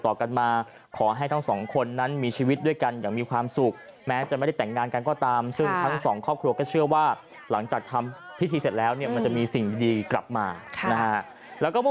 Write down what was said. ถ้ามีโอกาสกับชิมนถ้ามีงานไม่ทอดกับชิมน